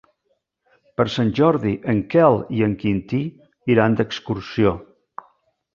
Per Sant Jordi en Quel i en Quintí iran d'excursió.